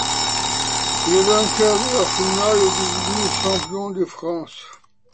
Le vainqueur de la finale est désigné champion de France.